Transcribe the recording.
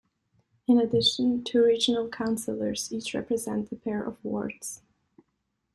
In addition, two regional councillors each represent a pair of wards.